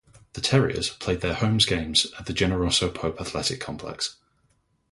The Terriers played their homes games at the Generoso Pope Athletic Complex.